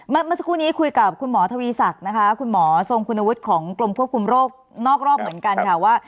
เมื่อสักครู่นี้คุยกับคุณหมอทวีศักดิ์นะคะคุณหมอทรงคุณวุฒิของกรมควบคุมโรคนอกรอบเหมือนกันค่ะว่า